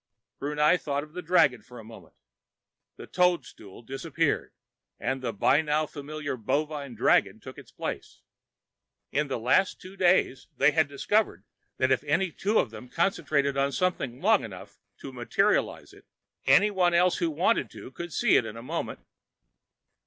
Brunei thought of the dragon for a moment. The toadstool disappeared, and the by now familiar bovine dragon took its place. In the last few days, they had discovered that if any two of them concentrated on something long enough to "materialize" it, anyone else who wanted to could see it in a moment.